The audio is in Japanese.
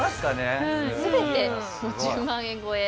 全て１０万円超え。